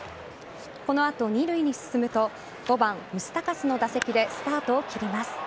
この後、二塁に進むと５番・ムスタカスの打席でスタートを切ります。